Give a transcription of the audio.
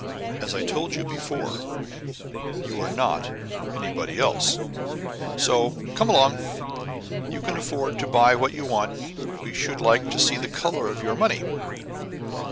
"As I told you before, you are not anybody else; so, come along. You can afford to buy what you want. We should like to see the color of your money."